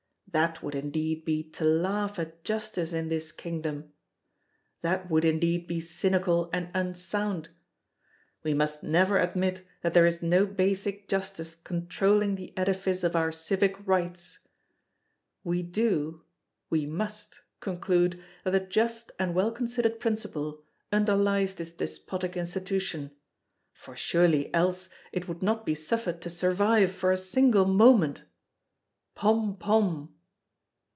That would indeed be to laugh at Justice in this Kingdom! That would indeed be cynical and unsound! We must never admit that there is no basic Justice controlling the edifice of our Civic Rights. We do, we must, conclude that a just and well considered principle underlies this despotic Institution; for surely, else, it would not be suffered to survive for a single moment! Pom! Pom!